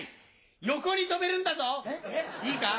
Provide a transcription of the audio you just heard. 横に跳べるんだぞいいか？